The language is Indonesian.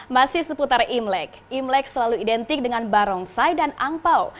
masih seputar imlek imlek selalu identik dengan barongsai dan angpao